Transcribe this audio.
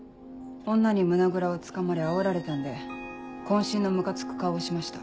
女に胸ぐらをつかまれあおられたんで渾身のムカつく顔をしました。